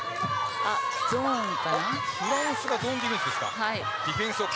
フランスゾーンディフェンスです。